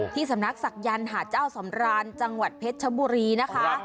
ที่สำนักศักยันต์หาดเจ้าสำราญจังหวัดเพชรชบุรีนะคะ